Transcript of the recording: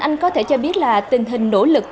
anh có thể cho biết là tình hình nỗ lực